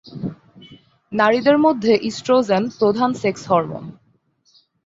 নারীদের মধ্যে ইস্ট্রোজেন প্রধান সেক্স হরমোন।